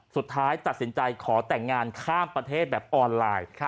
สุดท้ายตัดสินใจขอแต่งงานข้ามประเทศแบบออนไลน์